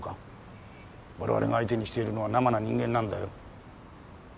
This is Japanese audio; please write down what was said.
我々が相手にしているのは生な人間なんだよ。